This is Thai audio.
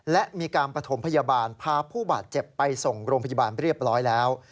และมีการประถมพยาบาลพาผู้บาดเจ็บไปส่งโรงพยาบาลเรียบร้อยแล้ว